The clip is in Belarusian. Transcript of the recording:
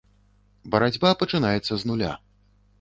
Барацьба пачынаецца з нуля.